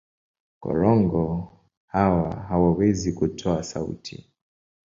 Korongo hawa hawawezi kutoa sauti.